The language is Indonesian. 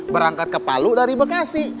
berangkat ke palu dari bekasi